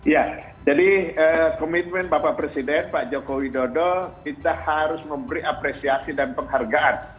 ya jadi komitmen bapak presiden pak joko widodo kita harus memberi apresiasi dan penghargaan